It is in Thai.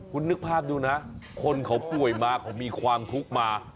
คุณนึกภาพดูนะคนเขาป่วยมาเขามีความทุกข์มา